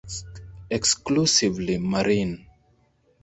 Exclusively marine.